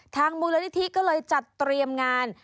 มูลนิธิก็เลยจัดเตรียมงาน